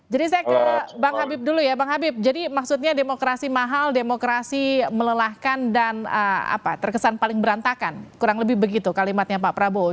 jadi saya ke bang habib dulu ya bang habib jadi maksudnya demokrasi mahal demokrasi melelahkan dan terkesan paling berantakan kurang lebih begitu kalimatnya pak prabowo